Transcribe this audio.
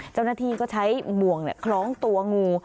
เจ้าหน้าที่ก็ใช้บ่วงคล้องตัวงู